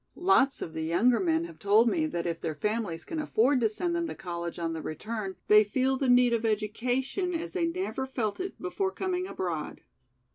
Lots of the younger men have told me that if their families can afford to send them to college on their return they feel the need of education as they never felt it before coming abroad."